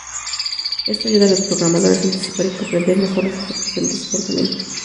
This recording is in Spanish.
Esto ayuda a los programadores anticipar y comprender mejor los efectos del desbordamiento.